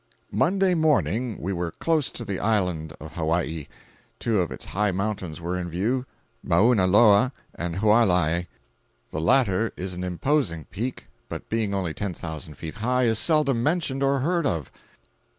501.jpg (93K) Monday morning we were close to the island of Hawaii. Two of its high mountains were in view—Mauna Loa and Hualaiai. The latter is an imposing peak, but being only ten thousand feet high is seldom mentioned or heard of.